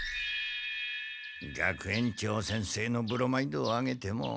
学園長先生のブロマイドをあげても。